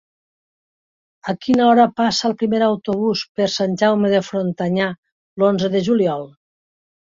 A quina hora passa el primer autobús per Sant Jaume de Frontanyà l'onze de juliol?